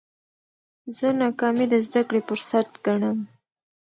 زه ناکامي د زده کړي فرصت ګڼم.